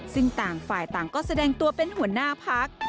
ซึ่งต่างฝ่ายต่างก็แสดงตัวเป็นหัวหน้าพัก